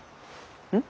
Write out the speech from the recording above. うん？